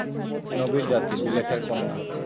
নবীর জাতি, জুলেখার কন্যা।